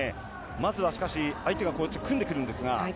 まずはしかし相手が組んでくるんですが。